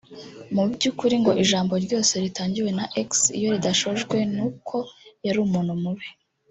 Mu by’ukuri ngo ijambo ryose ritangiwe na Ex iyo ridashojwe n’uko yari umuntu mubi